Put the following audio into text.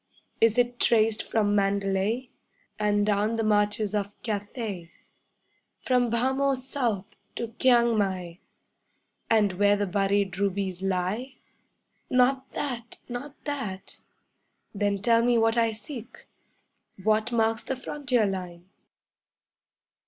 Is it traced from Mandalay, And down the marches of Cathay, From Bhamo south to Kiang mai, And where the buried rubies lie? 'Not that! Not that!' Then tell me what I seek: What marks the frontier line?